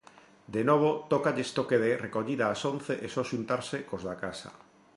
De novo tócalles toque de recollida ás once e só xuntarse cós da casa.